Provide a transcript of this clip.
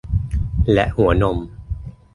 และหัวนม